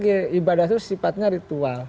ya ibadah itu sifatnya ritual